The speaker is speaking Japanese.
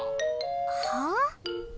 はあ？